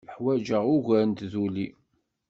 Ḥwajeɣ ugar n tduli.